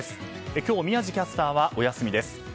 今日、宮司キャスターはお休みです。